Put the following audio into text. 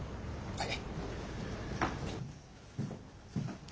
はい。